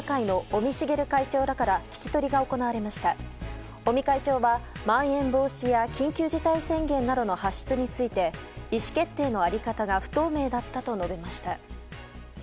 尾身会長はまん延防止や緊急事態宣言などの発出について意思決定の在り方が不透明だったと述べました。